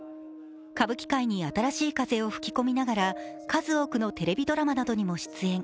歌舞伎界に新しい風を吹き込みながら、数多くのテレビドラマにも出演。